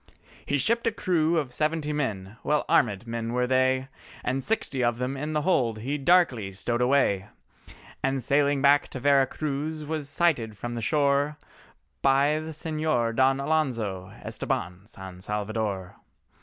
He shipped a crew of seventy men—well arméd men were they, And sixty of them in the hold he darkly stowed away, And sailing back to Vera Cruz was sighted from the shore, By the Señor Don Alonzo Estabán San Salvador.